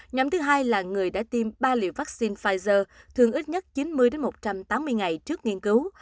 nhóm thứ hai là người đã tiêm ba liều vaccine pfizer thường ít nhất chín mươi một trăm tám mươi ngày trước nghiên cứu